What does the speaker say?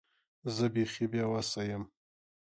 زه بیخي بې وسه یم .